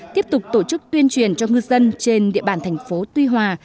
tiếp tục tổ chức tuyên truyền cho ngư dân trên địa bàn thành phố tuy hòa